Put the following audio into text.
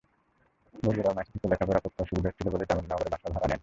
বগুড়ার মেসে থেকে লেখাপড়া করতে অসুবিধা হচ্ছিল বলে জামিলনগরে বাসা ভাড়া নেন।